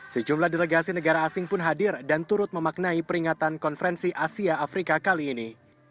sejumlah delegasi negara asing pun hadir dan turut memaknai peringatan konferensi asia afrika kali ini